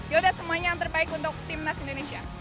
yaudah semuanya yang terbaik untuk timnas indonesia